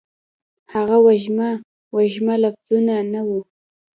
هغه وږمه، وږمه لفظونه ، نه وه